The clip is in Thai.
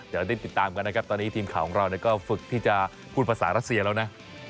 เดี๋ยวได้ติดตามกันนะครับตอนนี้ทีมข่าวของเราก็ฝึกที่จะพูดภาษารัสเซียแล้วนะ